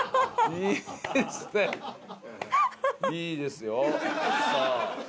いいですよ。さあ。